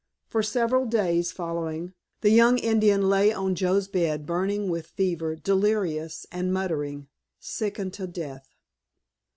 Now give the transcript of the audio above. For several days following the young Indian lay on Joe's bed burning with fever, delirious and muttering, sick unto death.